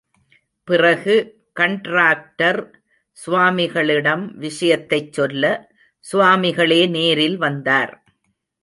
பிறகு கண்ட்ராக்டர் சுவாமிகளிடம் விஷயத்தைச் சொல்ல, சுவாமிகளே நேரில் வந்தார்.